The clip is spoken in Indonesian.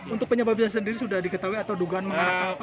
untuk penyebabnya sendiri sudah diketahui atau dugaan mengarahkan apa